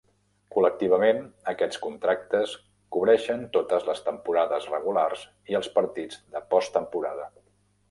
Col·lectivament, aquests contractes cobreixen totes les temporades regulars i els partits de postemporada.